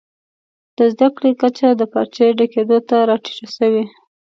د زده کړي کچه د پارچې ډکېدو ته راټیټه سوې.